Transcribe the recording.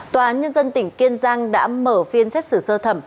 tòa án nhân dân tỉnh kiên giang đã mở phiên xét xử sơ thẩm